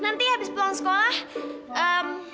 nanti habis pulang sekolah